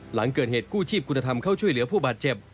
หลังเกิดเหตุกู้ชีพคุณธรรมเข้าช่วยเหลือผู้บาดเจ็บ